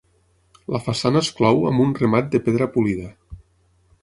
La façana es clou amb un remat de pedra polida.